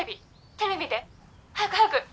テレビ見て。早く早く！」